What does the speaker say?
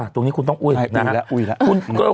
ตรงนี้คุณต้องอุ่นนะครับ